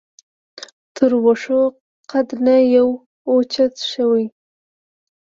تر واښو قده نه یم اوچت شوی.